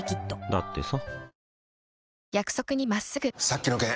だってさ